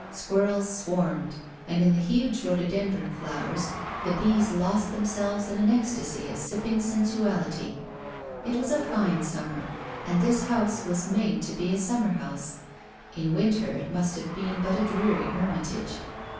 Squirrels swarmed, and in the huge rhododendron flowers the bees lost themselves in an ecstasy of sipping sensuality. It was a fine summer, and this house was made to be a summer house. In winter it must have been but a dreary hermitage.